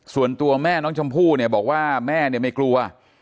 ส่วนตัวแม่น้องชมพู่บอกว่าแม่ไม่กลัว